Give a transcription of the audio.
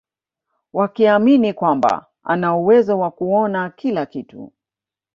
Wakiamini kwamba ana uwezo wa kuona kila kitu